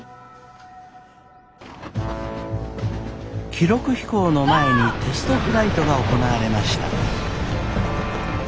記録飛行の前にテストフライトが行われました。